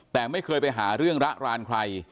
แต่ไม่เคยไปหารรารใคร